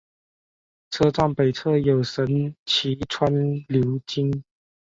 车站北侧有神崎川流经。